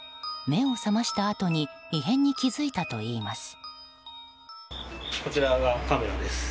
目を覚ましたあとに異変に気付いたといいます。